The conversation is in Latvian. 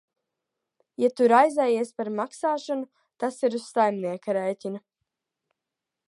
Ja tu raizējies par maksāšanu, tas ir uz saimnieka rēķina.